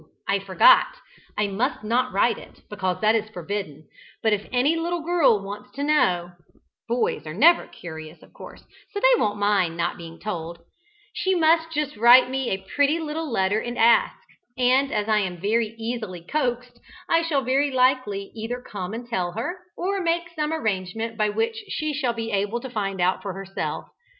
I forgot, I must not write it, because that is forbidden, but if any little girl wants to know (boys are never curious, of course, so they won't mind not being told) she must just write me a pretty little letter and ask, and as I am very easily coaxed, I shall very likely either come and tell her, or make some arrangement by which she shall be able to find out for herself.